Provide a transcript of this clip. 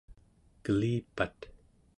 kelipat